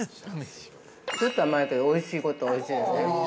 ちょっと甘いけどおいしいことはおいしいですね。